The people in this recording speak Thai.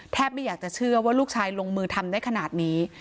ไม่อยากจะเชื่อว่าลูกชายลงมือทำได้ขนาดนี้